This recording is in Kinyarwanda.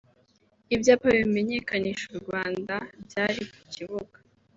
Ibyapa bimenyekanisha u Rwanda byari ku kibuga